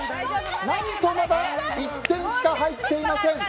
何と、まだ１点しか入っていません。